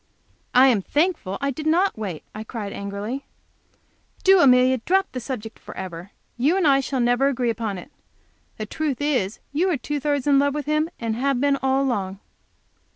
"I am thankful I did not wait," I cried, angrily. "Do, Amelia, drop the subject forever. You and I shall never agree upon it. The truth is, you are two thirds in love with him, and have been, all along."